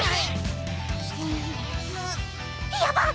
やばっ！